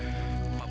saya juga bingung pak